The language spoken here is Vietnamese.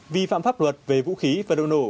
vi phạm pháp luật về vũ khí và đồ nổ